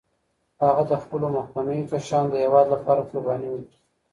هغه د خپلو مخکینو په شان د هېواد لپاره قربانۍ وکړې.